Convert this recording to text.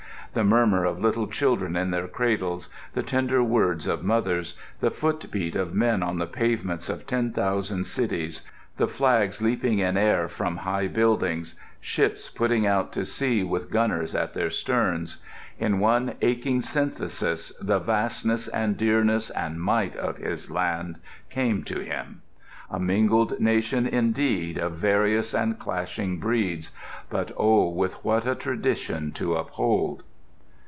The murmur of little children in their cradles, the tender words of mothers, the footbeat of men on the pavements of ten thousand cities, the flags leaping in air from high buildings, ships putting out to sea with gunners at their sterns—in one aching synthesis the vastness and dearness and might of his land came to him. A mingled nation, indeed, of various and clashing breeds; but oh, with what a tradition to uphold!